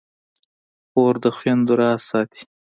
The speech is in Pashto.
خور د خویندو راز ساتي.